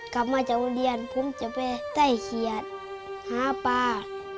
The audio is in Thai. กลับมาจากโรงเรียนผมจะไปไต้เขียดหาปลา